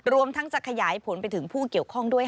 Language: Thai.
รวมทั้งจะขยายผลไปถึงผู้เกี่ยวข้องด้วยค่ะ